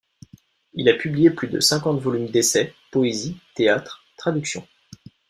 Il a publié plus de cinquante volumes d'essais, poésie, théâtre, traductions.